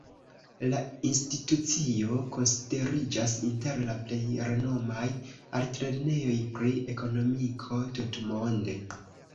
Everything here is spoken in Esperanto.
La institucio konsideriĝas inter la plej renomaj altlernejoj pri ekonomiko tutmonde.